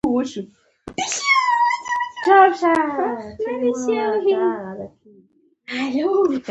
فریدګل وویل چې زه غواړم د هنرونو یو نندارتون جوړ کړم